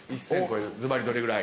ずばりどれぐらい？